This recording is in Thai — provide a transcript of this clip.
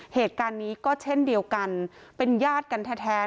เหตุการณ์นี้ก็เช่นเดียวกันเป็นญาติกันแท้